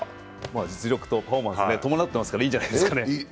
実力とパフォーマンス伴ってるからいいんじゃないですか。